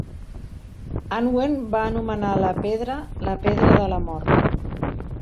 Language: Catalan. Anwen va anomenar la pedra "la pedra de la mort".